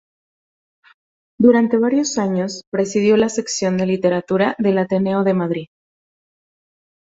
Durante varios años presidió la sección de Literatura del Ateneo de Madrid.